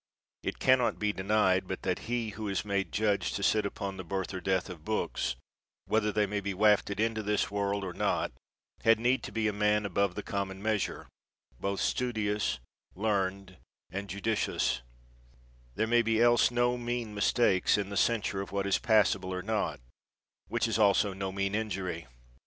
It can not be denied but that he who is made judge to sit upon the birth or death of books, whether they may be wafted into this world or not, had need to be a man above the common measure, both studious, learned, and judicious; there may be else no mean mistakes in the cen sure of what is passable or not, which is also no mean injury.